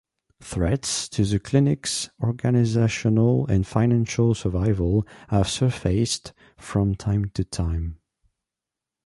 Threats to the Clinic's organisational and financial survival have surfaced from time to time.